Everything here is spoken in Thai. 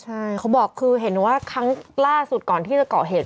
ใช่เขาบอกคือเห็นว่าครั้งล่าสุดก่อนที่จะเกาะเหตุ